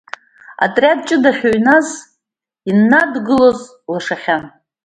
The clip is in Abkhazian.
Аотриад ҷыда ахьыҩназ ианнадгылоз, лашахьан.